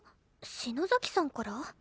篠崎さんから？